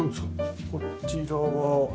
こちらは。